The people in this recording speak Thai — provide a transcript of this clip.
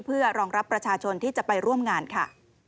เพื่อรองรับประชาชนที่จะไปร่วมงานค่ะ